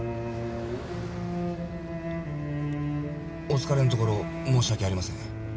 お疲れのところ申し訳ありません。